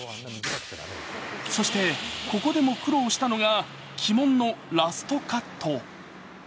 そしてここでも苦労したのが鬼門のラストカット。